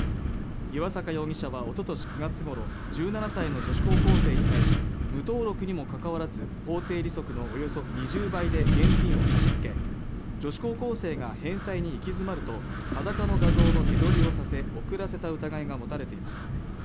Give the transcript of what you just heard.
岩坂容疑者はおととし９月ごろ１７歳の女子高校生に対し無登録にもかかわらず法定利息のおよそ２０倍で現金を貸し付け女子高校生が返済に行き詰まると裸の画像の自撮りをさせ送らせた疑いが持たれています